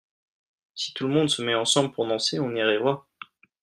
Si tout le monde se met ensemble pour danser on y arrivera.